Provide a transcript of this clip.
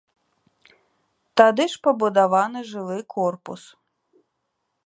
Тады ж пабудаваны жылы корпус.